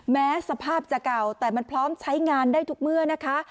แม้สภาพจะเก่าแต่มันพร้อมใช้งานได้ทุกเมื่อนะคะ